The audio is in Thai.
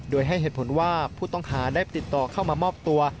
โดยให้เหตุผลว่าผู้ต้องหาได้ติดต่อเข้ามามอบตัว